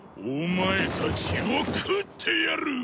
お前たちを食ってやる！